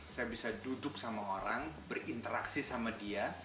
saya bisa duduk sama orang berinteraksi sama dia